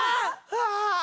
ああ！